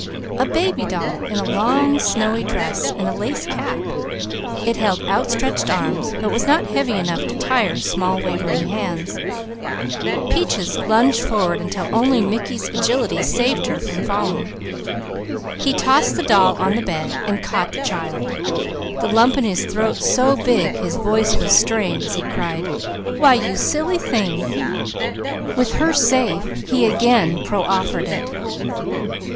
A baby doll in a long snowy dress and a lace cap; it held outstretched arms, but was not heavy enough to tire small wavering hands. Peaches lunged forward until only Mickey's agility saved her from falling. He tossed the doll on the bed, and caught the child, the lump in his throat so big his voice was strained as he cried: "Why you silly thing!" With her safe he again proffered it.